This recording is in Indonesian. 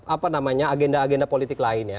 apa namanya agenda agenda politik lainnya